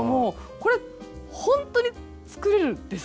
これほんとに作れるんですか？